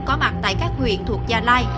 có mặt tại các huyện thuộc gia lai